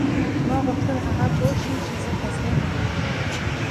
ما غوښتل هغه پوه شي چې زه تسلیم یم